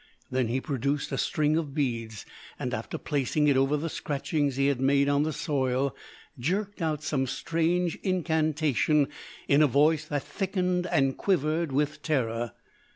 Then he produced a string of beads, and after placing it over the scratchings he had made on the soil, jerked out some strange incantation in a voice that thickened and quivered with terror.